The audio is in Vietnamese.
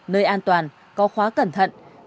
nơi an toàn có khóa cẩn thận có khóa cẩn thận